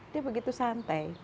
dia begitu santai